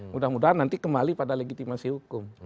mudah mudahan nanti kembali pada legitimasi hukum